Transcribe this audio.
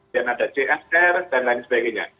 dan ada csr dan lain sebagainya